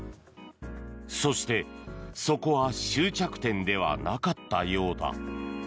そして、そこは終着点ではなかったようだ。